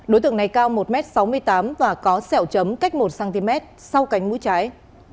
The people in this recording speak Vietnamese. đối tượng này cao một m sáu mươi tám và có sẹo chấm cách một cm sau cánh mũi trái